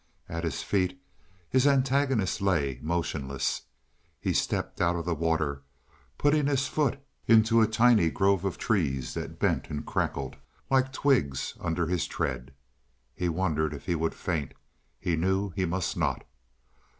At his feet his antagonist lay motionless. He stepped out of the water, putting his foot into a tiny grove of trees that bent and crackled like twigs under his tread. He wondered if he would faint; he knew he must not.